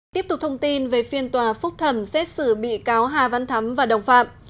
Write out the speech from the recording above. tiếp tục thông tin về phiên tòa phúc thẩm xét xử bị cáo hà văn thắm và đồng phạm